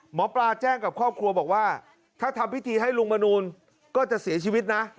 หมอปลาแจ้งกับครอบครัวบอกว่าถ้าทำพิธีให้ลุงมนูลก็จะเสียชีวิตนะ